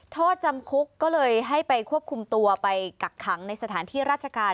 โทษจำคุกก็เลยให้ไปควบคุมตัวไปกักขังในสถานที่ราชการ